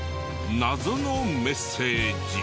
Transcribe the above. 謎のメッセージ。